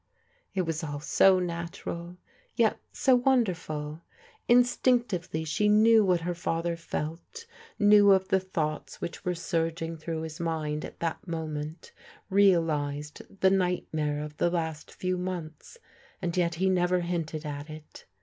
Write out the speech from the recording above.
It was all so natural, yet so wonderful. Instinctively she knew what her father felt, knew of the thoughts which were surging through his mind at that moment, realized the nightmare of the last few months, and yet he never hinted at it.